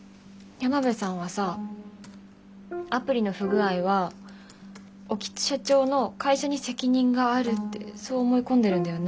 山辺さんはさアプリの不具合は興津社長の会社に責任があるってそう思い込んでるんだよね？